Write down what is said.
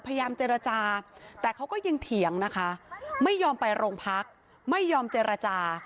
พยายามเจรจาแต่เขาก็ยังเถียงนะคะไม่ยอมไปโรงพักไม่ยอมเจรจา